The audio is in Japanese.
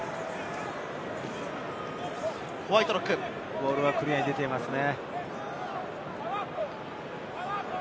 ボールはクリアに出ていますね。